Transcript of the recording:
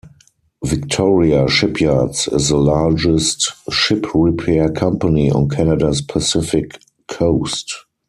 Victoria Shipyards is the largest ship repair company on Canada's Pacific coast.